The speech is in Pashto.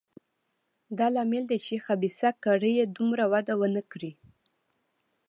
دا لامل دی چې خبیثه کړۍ دومره وده ونه کړه.